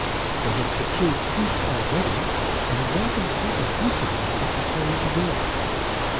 They had secured seats already, and welcomed her effusively at the carriage door.